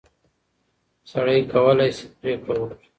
سړی کولای شي پرېکړه وکړي.